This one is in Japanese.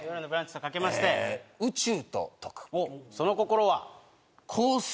その心は？